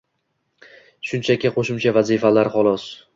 shunchaki qo‘shimcha vazifalar xolos.